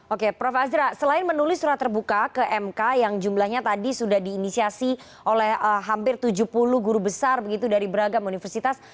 oke prof azra selain menulis surat terbuka ke mk yang jumlahnya tadi sudah diinisiasi oleh hampir tujuh puluh guru besar begitu dari beragam universitas